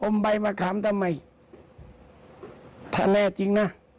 ใบมะขามทำไมถ้าแน่จริงนะ